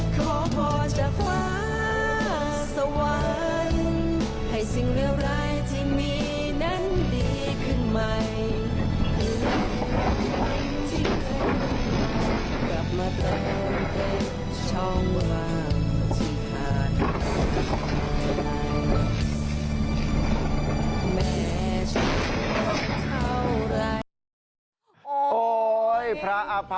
ขอพอจากฟ้าสวรรค์